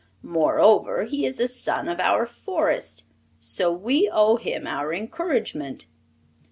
Moreover, he is a son of our Forest, so we owe him our encouragement.